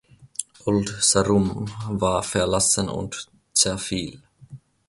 Old Sarum war verlassen und zerfiel.